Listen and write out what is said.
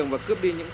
năm thứ một mươi ba